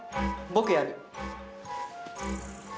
僕やる。